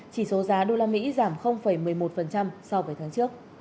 chỉ số giá đô la mỹ giảm một mươi một so với tháng trước